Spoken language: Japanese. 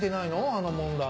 あの問題。